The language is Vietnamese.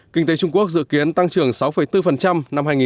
kinh tế trung quốc dự kiến tăng trưởng sáu bốn năm hai nghìn một mươi bảy